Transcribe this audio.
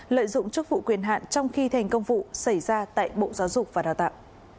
lợi dụng chức vụ quyền hạn trong khi thành công vụ xảy ra tại bộ giáo dục và đào tạo